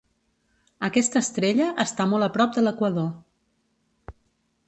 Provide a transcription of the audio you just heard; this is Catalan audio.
Aquesta estrella està molt a prop de l'equador.